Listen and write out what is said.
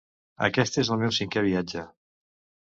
Aquest és el meu cinquè viatge.